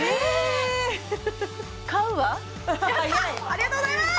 ありがとうございます！